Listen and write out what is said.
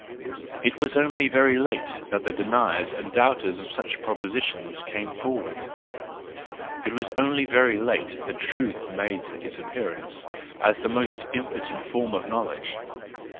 It was only very late that the deniers and 154 the JOYFUL WISDOM, III doubters of such propositions came forward,— it was only very late that truth made its appear¬ ance as the most impotent form of knowledge.